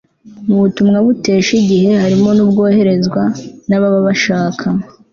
mu butumwa butesha igihe, harimo n'ubwoherezwa n'ababa bashaka